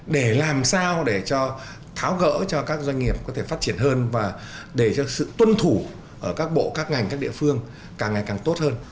để làm sao để cho tháo gỡ cho các doanh nghiệp có thể phát triển hơn và để cho sự tuân thủ ở các bộ các ngành các địa phương càng ngày càng tốt hơn